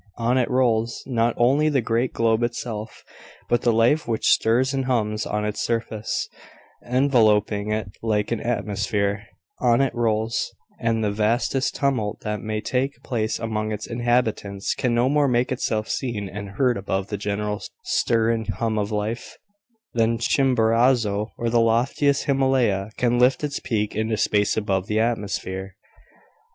On it rolls, not only the great globe itself, but the life which stirs and hums on its surface, enveloping it like an atmosphere; on it rolls; and the vastest tumult that may take place among its inhabitants can no more make itself seen and heard above the general stir and hum of life, than Chimborazo or the loftiest Himalaya can lift its peak into space above the atmosphere.